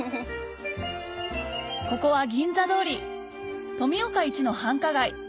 ここは銀座通り富岡イチの繁華街